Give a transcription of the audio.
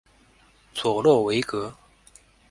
佐洛韦格。